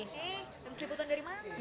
habis liputan dari mana